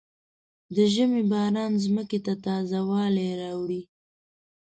د ژمي باران ځمکې ته تازه والی راوړي.